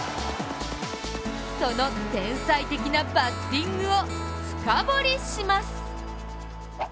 その天才的なバッティングを深掘りします。